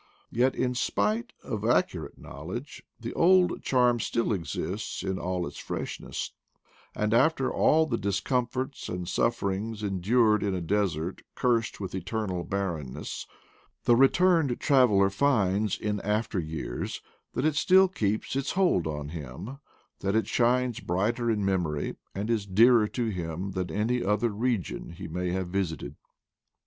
Yet, in spite of ac curate knowledge, the old charm still exists in all its freshness; and after all the discomforts and sufferings endured in a desert cursed with eternal barrenness, the returned traveler finds in after years that it still keeps its hold on him, that it shines brighter in memory, and is dearer to him than any other region he may have visited.